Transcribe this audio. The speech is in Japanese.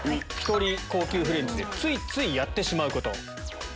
１人高級フレンチでついついやってしまうこと。